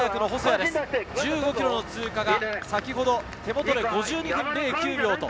１５ｋｍの通過が手元で５２分０９秒。